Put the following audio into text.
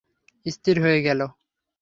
স্থির হয়ে গেল।